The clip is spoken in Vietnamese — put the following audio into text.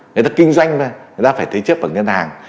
người ta kinh doanh người ta phải thế chấp ở ngân hàng